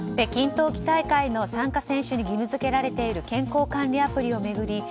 北京冬季大会の参加選手に義務付けられている健康管理アプリを巡り